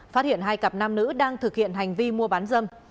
phát hiện hai cặp nam nữ đang thực hiện hành vi mua bán dâm